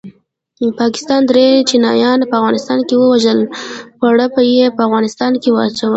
پاکستان دري چینایان په افغانستان کې ووژل پړه یې په افغانستان واچول